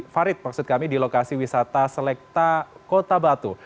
farid maksud kami di lokasi wisata selekta kota batu